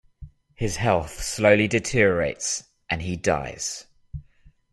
His health slowly deteriorates and he dies.